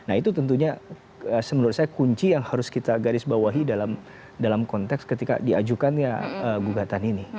nah itu tentunya menurut saya kunci yang harus kita garis bawahi dalam konteks ketika diajukannya gugatan ini